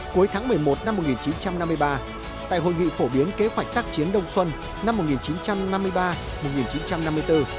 cuối tháng một mươi một năm một nghìn chín trăm năm mươi ba tại hội nghị phổ biến kế hoạch tác chiến đông xuân năm một nghìn chín trăm năm mươi ba một nghìn chín trăm năm mươi bốn